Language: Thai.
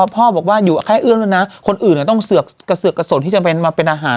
พ่อบอกว่าอยู่แค่เอื้อมแล้วนะคนอื่นก็ต้องเสือกกระสนที่จะเป็นมาเป็นอาหาร